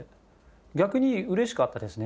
逆に嬉しかったですね。